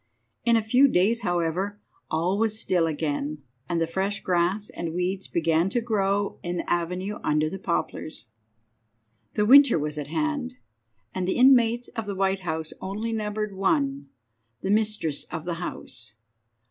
In a few days, however, all was still again, and fresh grass and weeds began to grow in the avenue under the poplars. V. The winter was at hand, and the inmates of the White House only numbered one more—the mistress of the house.